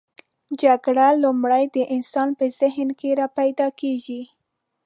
جګړه لومړی د انسان په ذهن کې راپیداکیږي.